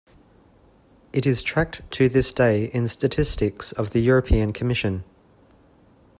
It is tracked to this day in statistics of the European Commission.